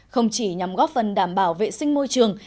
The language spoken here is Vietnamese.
không chỉ nhằm góp phần đảm bảo vệ sinh môi trường